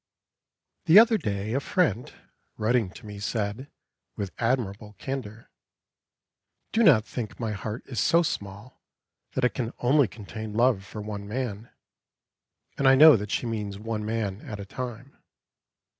The other day a friend, writing to me, said, with admirable candour, "Do not think my heart is so small that it can only contain love for one man," and I know that she means one man at a time.